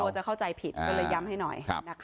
จะเข้าใจผิดก็เลยย้ำให้หน่อยนะคะ